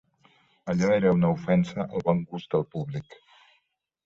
Allò era una ofensa al bon gust del públic.